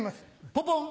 ポポン！